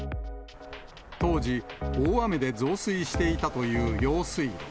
当時、大雨で増水していたという用水路。